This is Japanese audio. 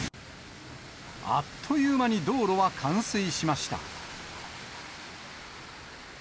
あっという間に道路は冠水しました。